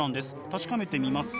確かめてみます？